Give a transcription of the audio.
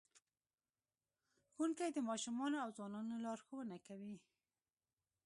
ښوونکی د ماشومانو او ځوانانو لارښوونه کوي.